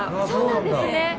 そうなんですね。